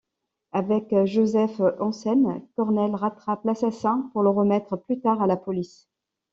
Avec Joseph Hansen, Cornell rattrape l'assassin pour le remettre plus tard à la police.